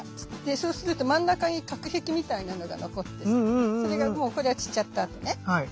そうすると真ん中に隔壁みたいなのが残ってさそれがもうこれは散っちゃったあとね。